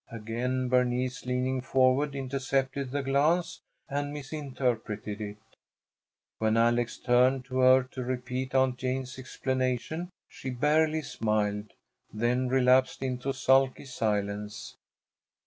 Again Bernice, leaning forward, intercepted the glance and misinterpreted it. When Alex turned to her to repeat Aunt Jane's explanation, she barely smiled, then relapsed into sulky silence.